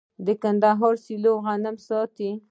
د کندهار سیلو غنم ساتي.